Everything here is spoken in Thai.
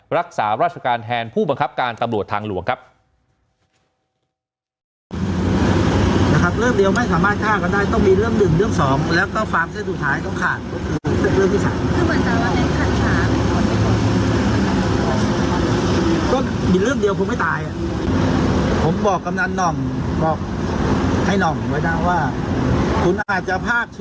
รักษาราชการแทนผู้บังคับการตำรวจทางหลวงครับ